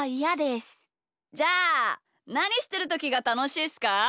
じゃあなにしてるときがたのしいっすか？